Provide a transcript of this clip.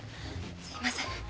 すいません。